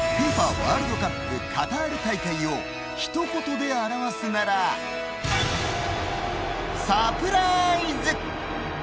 ワールドカップカタール大会を一言で表すならサプライズ。